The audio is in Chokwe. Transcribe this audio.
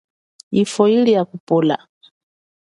Yifwo ili ya kupola.